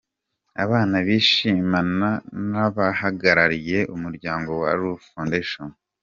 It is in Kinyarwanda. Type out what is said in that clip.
Abana bishimana n'abahagarariye umuryango wa Root Foundation.